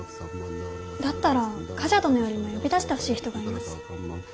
だったら冠者殿よりも呼び出してほしい人がいます。